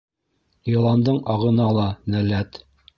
Йыландың ағына ла нәләт